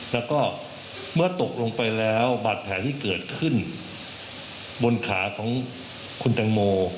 แล้วก็เมื่อตกลงไปแล้วบาดแผลที่เกิดขึ้นบนขาของคุณแตงโม